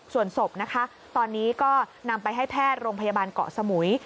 ส่วนศพนะคะตอนนี้ก็นำไปให้แพทย์โรงพยาบาลเกาะสมุย